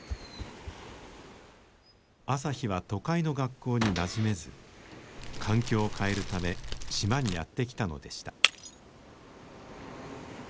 朝陽は都会の学校になじめず環境を変えるため島にやって来たのでした。